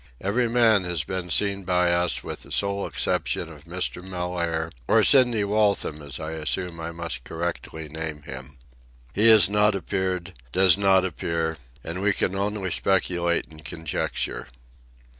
Every man has been seen by us with the sole exception of Mr. Mellaire, or Sidney Waltham, as I assume I must correctly name him. He has not appeared—does not appear; and we can only speculate and conjecture.